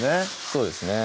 そうですね